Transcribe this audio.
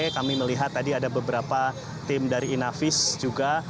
kami melihat tadi ada beberapa tim dari inavis juga